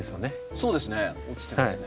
そうですね落ちてますね。